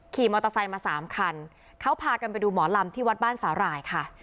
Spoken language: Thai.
ขี่มอเตอร์ไซค์มาสามคันเขาพากันไปดูหมอลำที่วัดบ้านสาหร่ายค่ะ